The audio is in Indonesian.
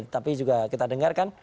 tapi juga kita dengar kan